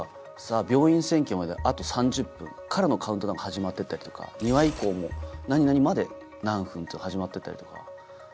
病院占拠まであと３０分からのカウントダウンが始まってたりとか２話以降も何々まで何分って始まってたりとか。